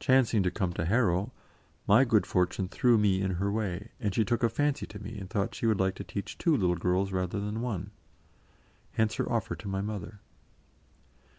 Chancing to come to Harrow, my good fortune threw me in her way, and she took a fancy to me and thought she would like to teach two little girls rather than one. Hence her offer to my mother.